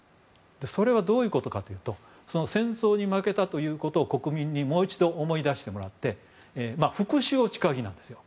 それはどういうことかというと戦争に負けたということを国民にもう一度、思い出してもらって復讐を誓う日なんですよ。